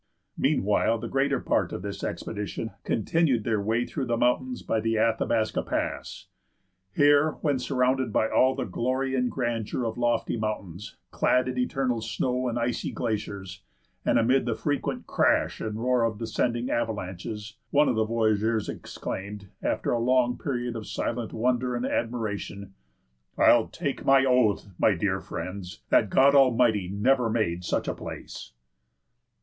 Meanwhile the greater part of this expedition continued their way through the mountains by the Athabasca Pass. Here, when surrounded by all the glory and grandeur of lofty mountains clad in eternal snow and icy glaciers, and amid the frequent crash and roar of descending avalanches, one of the voyageurs exclaimed, after a long period of silent wonder and admiration—"I'll take my oath, my dear friends, that God Almighty never made such a place."